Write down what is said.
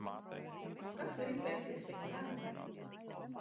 Kas var izbēgt likteņa lēmumam?